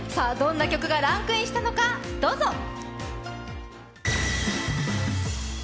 どんな曲がランクインしたのか、どうぞ。